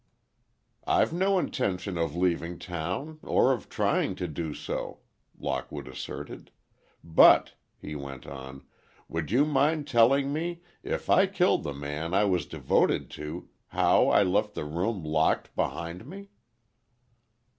"I've no intention of leaving town or of trying to do so," Lockwood asserted, "but," he went on, "would you mind telling me, if I killed the man I was devoted to, how I left the room locked behind me?"